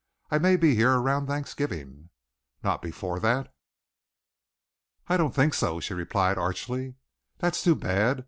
I may be here around Thanksgiving." "Not before that?" "I don't think so," she replied archly. "That's too bad.